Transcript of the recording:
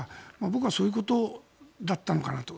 僕はそういうことだったのかなと。